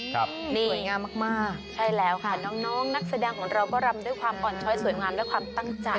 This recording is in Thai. สวยงามมากมากใช่แล้วค่ะน้องน้องนักแสดงของเราก็รำด้วยความอ่อนช้อยสวยงามและความตั้งใจ